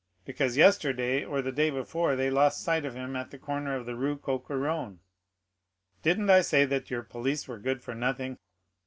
"Because yesterday, or the day before, they lost sight of him at the corner of the Rue Coq Héron." "Didn't I say that your police were good for nothing?"